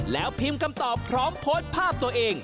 แล้วพิมพ์คำตอบพร้อมโพสต์ภาพตัวเอง